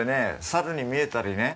猿に見えたりね。